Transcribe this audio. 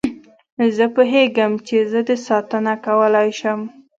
زه پوهېږم چې زه دې ساتنه کولای شم.